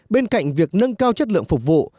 bên cạnh việc nâng cao chất lượng phục vụ